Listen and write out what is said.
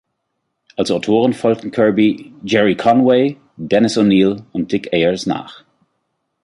Als Autoren folgten Kirby Gerry Conway, Dennis O’Neil und Dick Ayers nach.